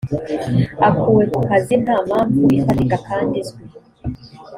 akuwe ku kazi nta mpamvu ifatika kandi izwi